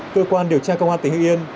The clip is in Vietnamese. cơ quan điều tra công an tỉnh hưng yên